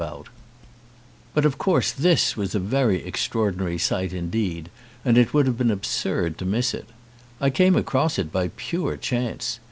166 THE SIGHTS OF THE TOWK But of course this was a very extraordinary sight indeed and it would have been absurd to miss it. I came across it by pure chance.